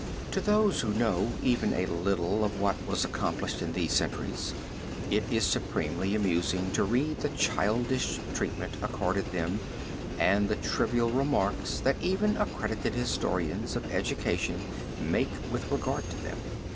To those who know even a little of what was accomplished in these centuries, it is supremely amusing to read the childish treatment accorded them and the trivial remarks that even accredited historians of education make with regard to them.